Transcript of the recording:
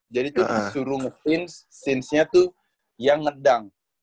jadi tuh disuruh nge since sincenya tuh yang ngedang